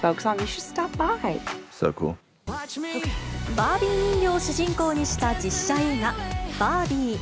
バービー人形を主人公にした実写映画、バービー。